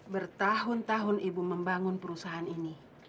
bertahun tahun ibu membangun perusahaan ini